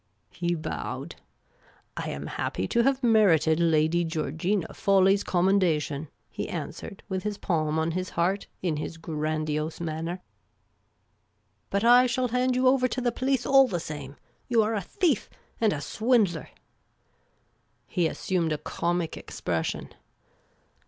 He bowed. " I am happy to have merited Lady Georgina Fawley's commendation," he answered, with his palm on his heart, in his grandiose manner. " But I shall hand you over to the police, all the same ! You are a thief and a swindler !" He assumed a comic expression.